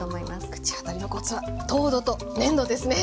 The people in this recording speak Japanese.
口当たりのコツは糖度と粘度ですね。